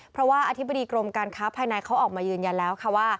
เพราะว่าอธิบดีกรมการค้าภายในเขาออกมายืนยันแล้วค่ะว่า